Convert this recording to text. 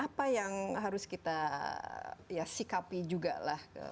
apa yang harus kita ya sikapi juga lah